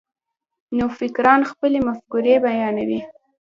نوفکران خپلې مفکورې بیانوي.